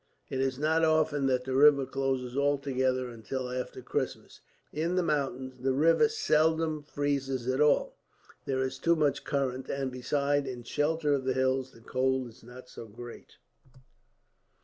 It is not often that the river closes altogether until after Christmas. In the mountains the river seldom freezes at all. There is too much current, and besides, in shelter of the hills the cold is not so great."